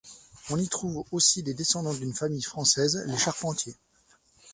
On y trouve aussi des descendants d'une famille française, les Charpentier.